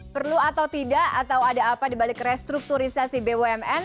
perlu atau tidak atau ada apa dibalik restrukturisasi bumn